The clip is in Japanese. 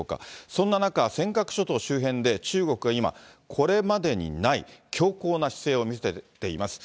そんな中、尖閣諸島周辺で、中国が今、これまでにない、強硬な姿勢を見せています。